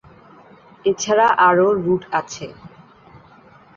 এছাড়া আরও রুট আছে।